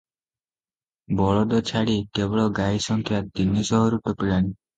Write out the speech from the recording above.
ବଳଦ ଛାଡ଼ି କେବଳ ଗାଈ ସଂଖ୍ୟା ତିନିଶହରୁ ଟପିଲାଣି ।